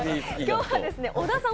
今日は小田さん